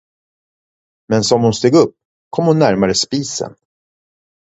Men som hon steg upp, kom hon närmare spisen.